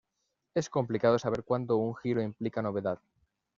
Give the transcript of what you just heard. Es complicado saber cuándo un giro implica novedad.